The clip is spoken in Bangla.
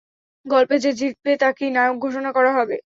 গল্পে যে জিতবে তাকেই নায়ক ঘোষণা করা হবে।